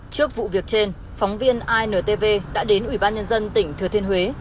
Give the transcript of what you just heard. trước vụ việc trên phóng viên intv đã đến ủy ban nhân dân tỉnh thừa thiên huế